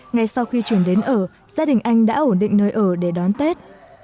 ngay sau khi chuyển đến ở gia đình anh đã ổn định nơi ở để đón tết